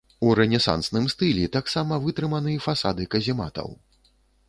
У рэнесансным стылі таксама вытрыманы фасады казематаў.